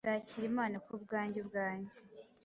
Nzakira impano kubwanjye ubwanjye,